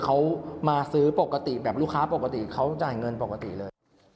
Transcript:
เขามาซื้อปกติแบบลูกค้าปกติเขาจ่ายเงินปกติเลย